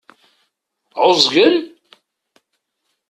Ɛuẓgen?